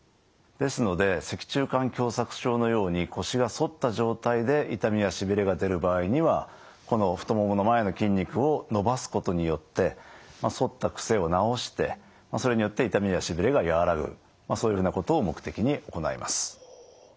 ですので脊柱管狭窄症のように腰が反った状態で痛みやしびれが出る場合にはこの太ももの前の筋肉を伸ばすことによって反ったクセを治してそれによって痛みやしびれが和らぐそういうふうなことを目的に行います。